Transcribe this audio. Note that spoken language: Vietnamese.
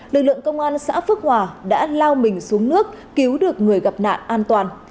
lực lượng công an xã phước hòa đã lao mình xuống nước cứu được người gặp nạn an toàn